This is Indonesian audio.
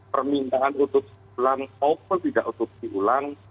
permintaan otopsi ulang atau tidak otopsi ulang